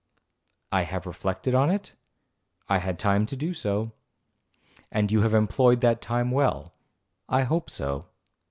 'I have reflected on it?—'I had time to do so.'—'And you have employed that time well?'—'I hope so.'